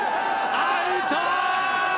アウト！